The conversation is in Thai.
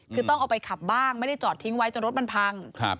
คือต้องเอาไปขับบ้างไม่ได้จอดทิ้งไว้จนรถมันพัง